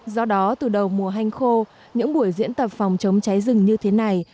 do đó từ đầu mùa hanh khô những buổi diễn tập phòng chống cháy rừng như thế này